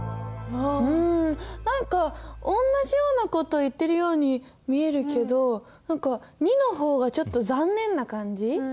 ん何かおんなじような事を言っているように見えるけど何か２の方がちょっと残念な感じ？